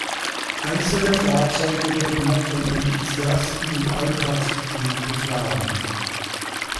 Einzelne Fahrzeuge werden noch von Enthusiasten im Alltagsbetrieb gefahren.